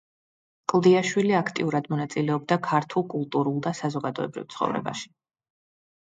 კლდიაშვილი აქტიურად მონაწილეობდა ქართულ კულტურულ და საზოგადოებრივ ცხოვრებაში.